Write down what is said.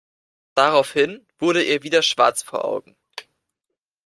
Daraufhin wurde ihr wieder schwarz vor Augen.